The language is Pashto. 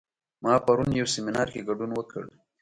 ما پرون یو سیمینار کې ګډون وکړ